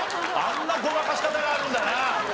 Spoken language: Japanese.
あんなごまかし方があるんだな。